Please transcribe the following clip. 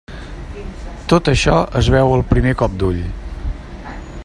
Tot això es veu al primer cop d'ull.